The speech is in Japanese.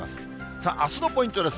さあ、あすのポイントです。